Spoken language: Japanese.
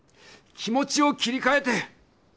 気持ちを切りかえて！